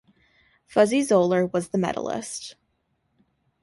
Fuzzy Zoeller was the medalist.